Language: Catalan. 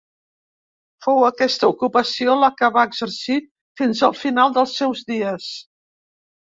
Fou aquesta ocupació la que va exercir fins al final dels seus dies.